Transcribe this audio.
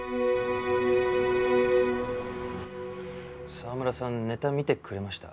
澤村さんネタ見てくれました？